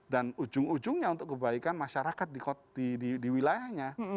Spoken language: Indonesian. dan ujung ujungnya untuk kebaikan masyarakat di wilayahnya